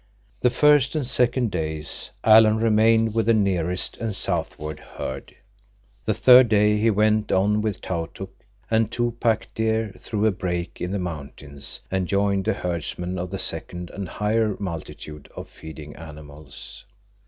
The first and second days Alan remained with the nearest and southward herd. The third day he went on with Tautuk and two pack deer through a break in the mountains and joined the herdsmen of the second and higher multitude of feeding animals.